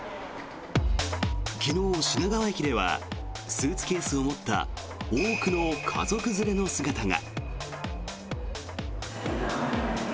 昨日、品川駅ではスーツケースを持った多くの家族連れの姿が。